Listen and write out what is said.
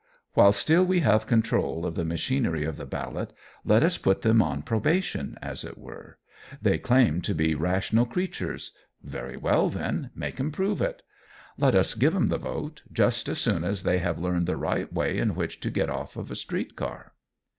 While still we have control of the machinery of the ballot let us put them on probation, as it were. They claim to be rational creatures; very well, then, make 'em prove it. Let us give 'em the vote just as soon as they have learned the right way in which to get off of a street car."